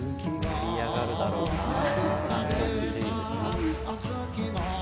盛り上がるだろうな。